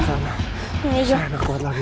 saya sudah kuat lagi